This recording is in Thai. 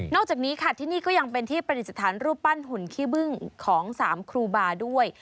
จากนี้ค่ะที่นี่ก็ยังเป็นที่ประดิษฐานรูปปั้นหุ่นขี้บึ้งของสามครูบาด้วย